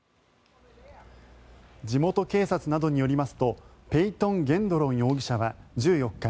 地元警察などによりますとペイトン・ゲンドロン容疑者は１４日